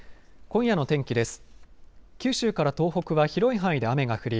今夜の天気です。